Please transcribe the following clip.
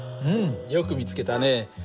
うんよく見つけたね。